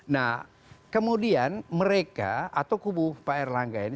nah kemudian mereka atau kubu pak erlangga ini